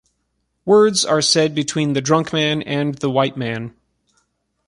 Words are said between the drunk man and the white man.